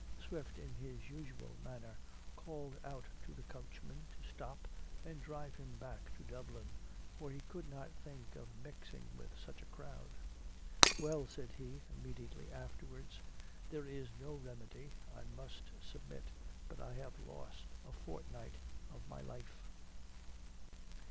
Swift, in his usual manner, called out to the coachman, to stop, and drive him back to Dublin, for he could not think of mixing with such a crowd. "Well," said he, immediately afterwards, "there is no remedy, I must submit, but I have lost a fortnight of my life."